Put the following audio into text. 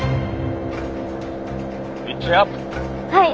はい。